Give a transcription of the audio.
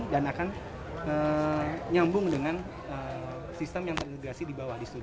dari rekan sesama pelaku pasar